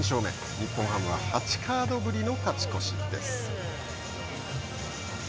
日本ハムは８カードぶりの勝ち越しです。